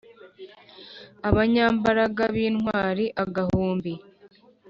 abanyambaraga b intwari agahumbi